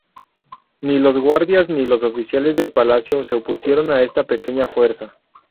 Ni los guardias ni los oficiales de palacio se opusieron a esta pequeña fuerza.